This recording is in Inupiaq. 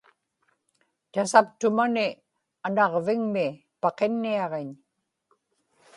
tasaptumani anaġvigmi paqinniaġiñ